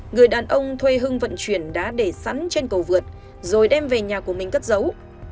người đàn ông thuê hưng vận chuyển đá để sẵn trên cầu vượt rồi đem về nhà của mình cất dấu